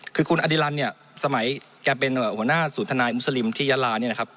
คือคุณอดิลันเนี่ยสมัยแกเป็นหัวหน้าศูนย์ทนายมุสลิมที่ยาลาเนี่ยนะครับ